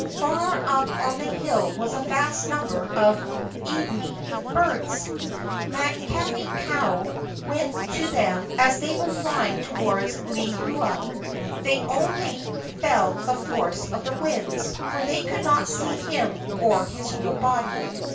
Far up on the hill was a vast number of iiwi (birds). Makani kau went to them as they were flying toward Lehua. They only felt the force of the winds, for they could not see him or his real body.